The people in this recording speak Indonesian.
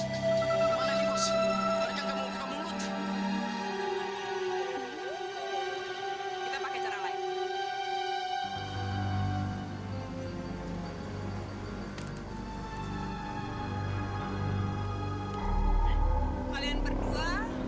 yang hilang itu berdua